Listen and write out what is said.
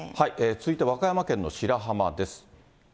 続いて和歌山県の白浜です。